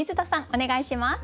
お願いします。